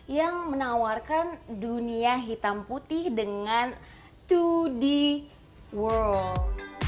yang menawarkan dunia hitam putih dengan dua d world